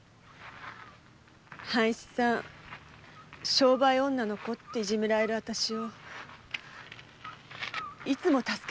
「商売女の子」っていじめられる私をいつも助けてくれた。